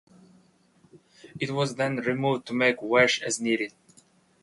It was then removed to make wash as needed.